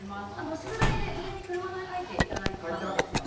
宿題で事前に車の絵を描いていただいたんですよね。